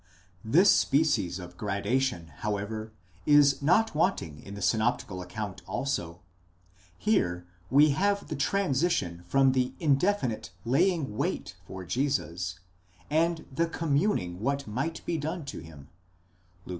This species of gradation, however, is not wanting in the synoptical account also: here we have the transition from the indefinite /aying wait for Jesus, and the communing what might be done to him (Luke xi.